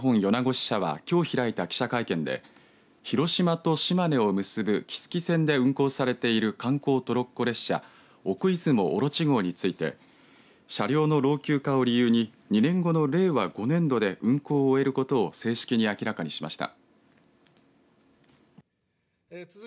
支社はきょう開いた記者会見で広島と島根を結ぶ木次線で運行されている観光トロッコ列車奥出雲おろち号について車両の老朽化を理由に２年後の令和５年度で運行を終えることを正式に明らかにしました。